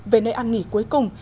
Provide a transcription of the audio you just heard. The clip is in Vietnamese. về nơi ăn nghỉ cuối cùng